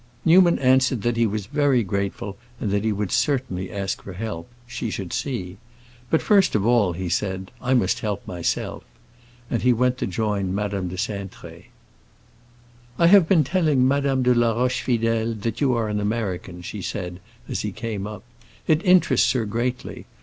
Newman answered that he was very grateful and that he would certainly ask for help; she should see. "But first of all," he said, "I must help myself." And he went to join Madame de Cintré. "I have been telling Madame de la Rochefidèle that you are an American," she said, as he came up. "It interests her greatly.